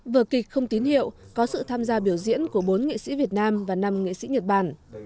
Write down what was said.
vở kịch không tín hiệu có sự tham gia biểu diễn của bốn nghệ sĩ việt nam và năm nghệ sĩ nhật bản